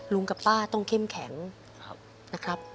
ลุงกับป้าต้องเข้มแข็งนะครับ